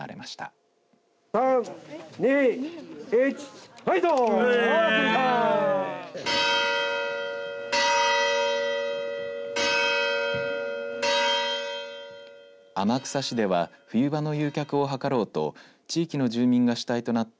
３、２、１天草市では冬場の誘客を図ろうと地域の住民たちが主体となって